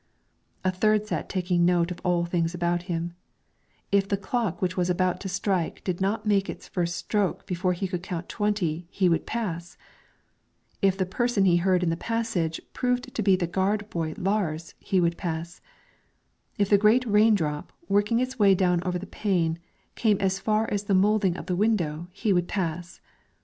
A third sat taking note of all things about him: if the clock which was about to strike did not make its first stroke before he could count twenty, he would pass; if the person he heard in the passage proved to be the gard boy Lars, he would pass; if the great rain drop, working its way down over the pane, came as far as the moulding of the window, he would pass.